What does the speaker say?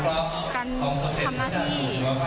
แล้วพระองค์เขาส่งให้